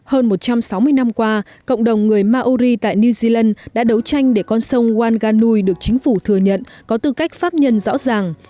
hơn một trăm sáu mươi năm qua cộng đồng người mauri tại new zealand đã đấu tranh để con sông wanganui được chính phủ thừa nhận có tư cách pháp nhân rõ ràng